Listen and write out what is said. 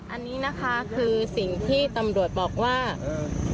อันนี้นะคะคือสิ่งที่ตำรวจบอกว่าอืม